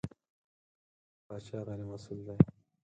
پاچا غېر مسوول دی.